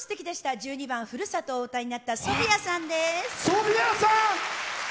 １２番「ふるさと」をお歌いになったソフィアさんです。